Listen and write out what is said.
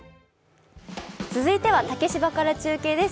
続いては竹芝から中継です。